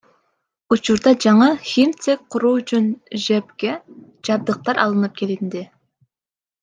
Учурда жаңы химцех куруу үчүн ЖЭБге жабдыктар алынып келинди.